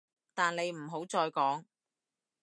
但你唔好再講